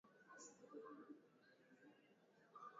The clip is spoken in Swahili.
Siku ya jumanne kila mwanachama alikuwa na dakika thelathini kumhoji